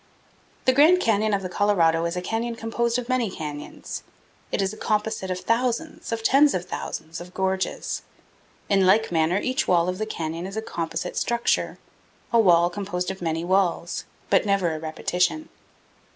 The Grand Canyon of the Colorado is a canyon composed of many canyons. It is a composite of thousands, of tens of thousands, of gorges. In like manner, each wall of the canyon is a composite structure, a wall composed of many walls, but never a repetition.